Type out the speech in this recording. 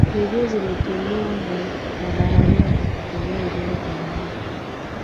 redio zilitumiwa na mabaharia kwa kutuma jumbe mbalimbali